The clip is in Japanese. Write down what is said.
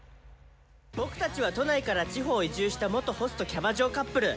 「僕たちは都内から地方移住した元ホストキャバ嬢カップル！